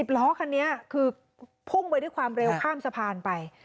ล้อคันนี้คือพุ่งไปด้วยความเร็วข้ามสะพานไป